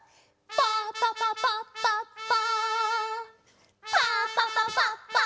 ・パパパパッパッパ。